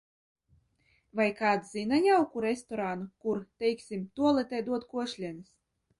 Vai kāds zina jauku restorānu kur, teiksim, tualetē dod košļenes?